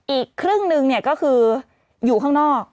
อีกครึ่งหนึ่งเนี่ยก็คืออยู่ข้างนอก